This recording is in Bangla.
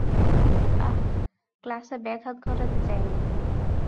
আহ, ক্লাসে ব্যাঘাত ঘটাতে চাইনি।